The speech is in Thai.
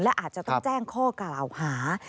และอาจจะต้องแจ้งข้อกล่าวหา